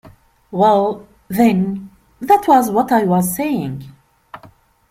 Well, then, that was what I was saying.